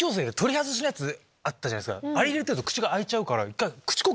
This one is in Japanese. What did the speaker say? あれ入れてると口が開いちゃうから。